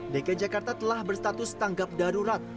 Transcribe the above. dki jakarta telah berstatus tanggap darurat